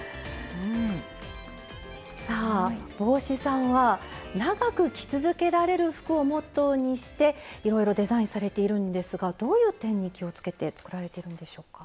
さあ帽子さんは「長く着続けられる服」をモットーにしていろいろデザインされているんですがどういう点に気をつけて作られているんでしょうか。